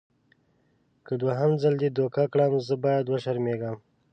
که دوهم ځل دې دوکه کړم زه باید وشرمېږم.